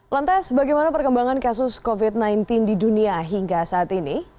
lantas bagaimana perkembangan kasus covid sembilan belas di dunia hingga saat ini